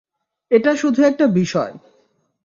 এটা শুধু একটা বিষয়।